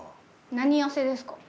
何痩せですか？